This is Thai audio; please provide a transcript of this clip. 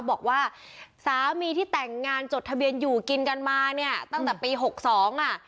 บอกว่าสามีที่แต่งงานจดทะเบียนอยู่กินกันมาเนี่ยตั้งแต่ปีหกสองอ่ะ